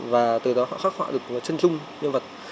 và từ đó họ khắc họa được một chân trung nhân vật